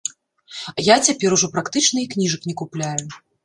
Я цяпер ужо практычна і кніжак не купляю.